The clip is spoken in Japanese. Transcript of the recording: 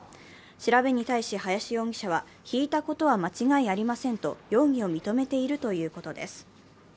調べに対し林容疑者は、ひいたことは間違いありませんと容疑を認めているということです。